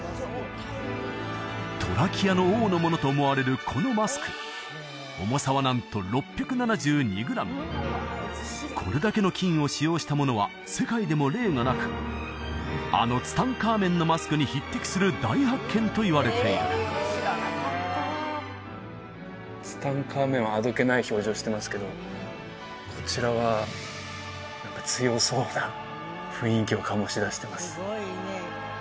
トラキアの王のものと思われるこのマスク重さはなんとこれだけの金を使用したものは世界でも例がなくあのツタンカーメンのマスクに匹敵する大発見といわれているツタンカーメンはあどけない表情してますけどこちらは何か強そうな雰囲気を醸し出してます